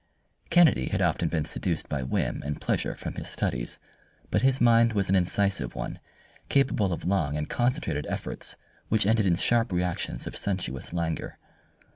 Kennedy had often been seduced by whim and pleasure from his studies, but his mind was an incisive one, capable of long and concentrated efforts which ended in sharp reactions of sensuous languor.